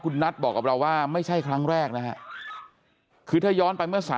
คุณนัทบอกกับเราว่าไม่ใช่ครั้งแรกนะฮะคือถ้าย้อนไปเมื่อ๓